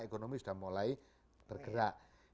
ekonomi sudah mulai bergerak